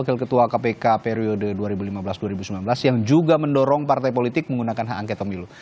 wakil ketua kpk periode dua ribu lima belas dua ribu sembilan belas yang juga mendorong partai politik menggunakan hak angket pemilu